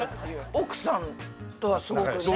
奥さんとはすごくね。